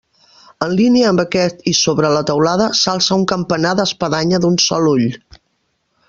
En línia amb aquest i sobre la teulada s'alça un campanar d'espadanya d'un sol ull.